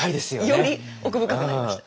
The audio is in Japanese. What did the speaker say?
より奥深くなりました。